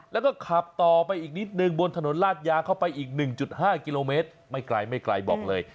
แล้วก็ขับต่อไปอีกนิดนึงบนถนนลาดยางเข้าไปอีก๑๕กิโลเมตรไม่ไกลไม่ไกลบอกเลย